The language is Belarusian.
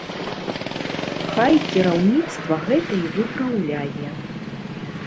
Хай кіраўніцтва гэта і выпраўляе.